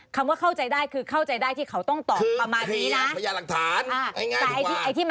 คำว่าเข้าใจได้คือเข้าใจได้ที่เขาต้องตอบ